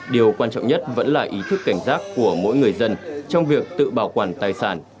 điều quan trọng nhất vẫn là ý thức cảnh giác của mỗi người dân trong việc tự bảo quản tài sản